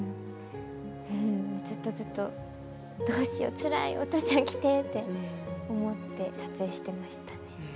ずっとずっと、どうしようつらい、お父ちゃんきてって思って撮影していましたね。